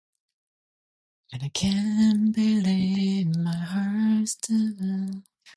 He is now widely recognized as a great dramatic actor.